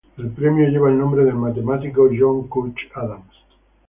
El premio lleva el nombre del matemático John Couch Adams.